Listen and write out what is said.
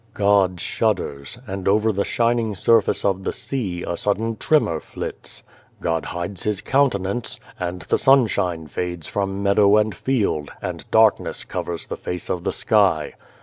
" God shudders and, over the shining sur face of the sea, a sudden tremor flits. " God hides His countenance and the sunshine fades from meadow and field, and darkness covers the face of the sky.